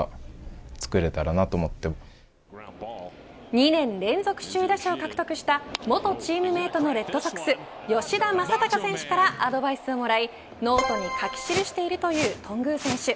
２年連続首位打者を獲得した元チームメートのレッドソックス吉田正尚選手からアドバイスをもらいノートに書き記しているという頓宮選手。